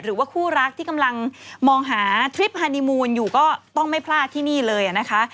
หรือว่าคู่รักที่กำลังมองหาทริปฮานีมูลอยู่ก็ต้องไม่พลาดที่นี่เลยนะคะ